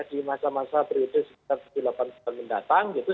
di masa masa periode dua ribu delapan belas mendatang gitu